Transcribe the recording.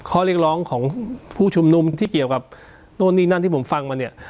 ข้อเรียกร้องของผู้ชุมนุมที่เกี่ยวกับโน้นนี่นั่นที่ผมฟังมาเนี่ย